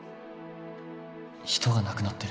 人が亡くなってる